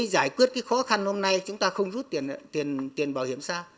cái giải quyết cái khó khăn hôm nay chúng ta không rút tiền bảo hiểm xã